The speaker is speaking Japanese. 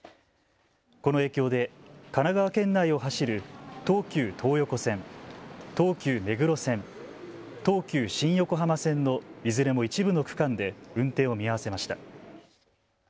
この影響で神奈川県内を走る東急東横線、東急目黒線、東急新横浜線のいずれも一部の区間で運転を見合わせました。